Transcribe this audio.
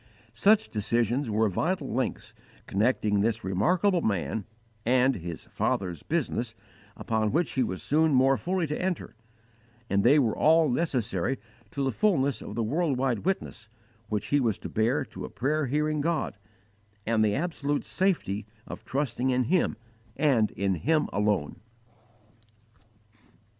Such decisions were vital links connecting this remarkable man and his "Father's business," upon which he was soon more fully to enter; and they were all necessary to the fulness of the world wide witness which he was to bear to a prayer hearing God and the absolute safety of trusting in Him and in Him alone.